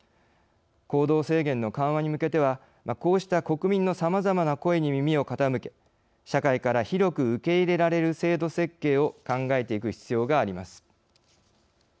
行動制限の緩和に向けてはこうした国民のさまざまな声に耳を傾け社会から広く受け入れられる制度設計を考えていく必要があります。